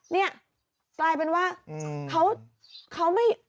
เนี่ยกลายเป็นว่าเขาไม่